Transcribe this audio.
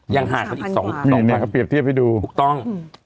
ยังห่างกันอีกสองสองพันมีอันนี้ก็เปรียบเทียบให้ดูถูกต้อง